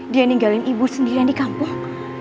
dia ninggalin ibu sendirian di kampung